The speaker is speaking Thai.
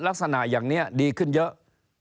ลักษณะอย่างนี้ดีขึ้นเยอะ